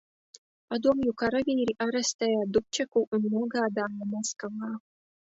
Padomju karavīri arestēja Dubčeku un nogādāja Maskavā.